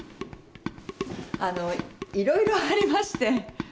あのいろいろありまして。